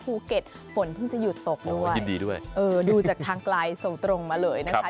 ภูเก็ตฝนเพิ่งจะหยุดตกด้วยดูจากทางไกลส่งตรงมาเลยนะคะ